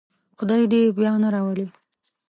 خدای دې یې بیا نه راولي.